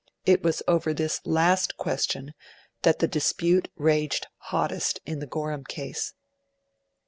It was over this last question that the dispute raged hottest in the Gorham Case.